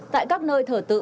tại các nơi thở tự